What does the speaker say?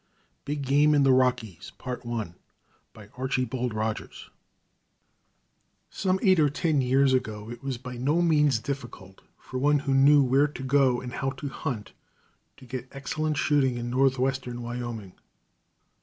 _ Big Game in the Rockies Some eight or ten years ago it was by no means difficult, for one who knew where to go and how to hunt, to get excellent shooting in northwestern Wyoming.